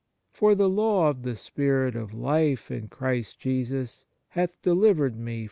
For the law of the Spirit of life in Christ Jesus hath delivered me from * Rom.